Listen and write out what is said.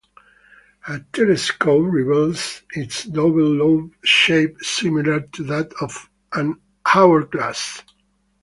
A telescope reveals its double-lobed shape, similar to that of an hourglass.